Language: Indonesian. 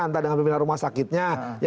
entah dengan pimpinan rumah sakitnya